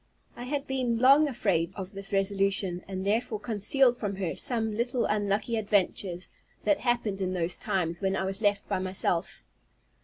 I had been long afraid of this resolution, and therefore concealed from her some little unlucky adventures, that happened in those times when I was left by myself.